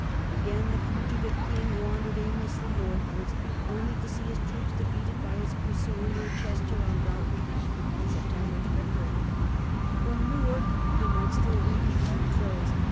Again the fugitive king wandered aimlessly northwards, only to see his troops defeated by his pursuer near Chester, on Rowton Heath (Sept. 24). From Newark, he might still reach Montrose.